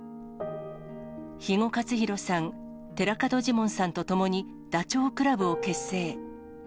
肥後克広さん、寺門ジモンさんと共に、ダチョウ倶楽部を結成。